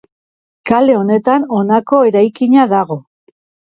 Kale honetan honako eraikina dago.